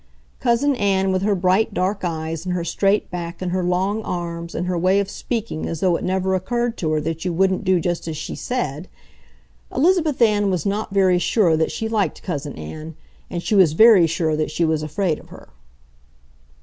Cousin Ann, with her bright, dark eyes, and her straight back, and her long arms, and her way of speaking as though it never occurred to her that you wouldn't do just as she said—Elizabeth Ann was not very sure that she liked Cousin Ann, and she was very sure that she was afraid of her.